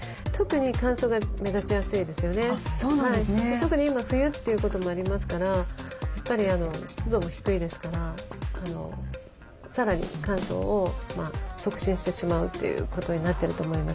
特に今冬ということもありますからやっぱり湿度も低いですからさらに乾燥を促進してしまうということになってると思いますね。